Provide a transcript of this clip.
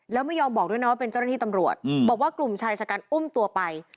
แล้วไม่ยอมบอกด้วยนะว่าเป็นเจ้าหน้าที่ตำรวจบอกว่ากลุ่มชายชะกันอุ้มตัวไป